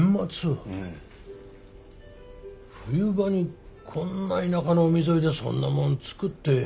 冬場にこんな田舎の海沿いでそんなもん作ってやっていけるがかえ？